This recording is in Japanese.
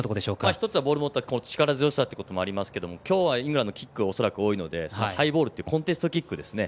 一つはボールを持った力強さもありますが今日はイングランドキックが恐らく多いのでハイボールってコンテストキックですね。